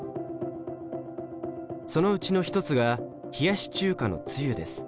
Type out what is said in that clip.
そのうちの一つが冷やし中華のつゆです。